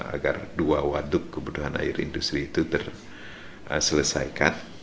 agar dua waduk kebutuhan air industri itu terselesaikan